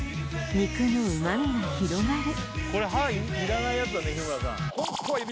肉の旨みが広がる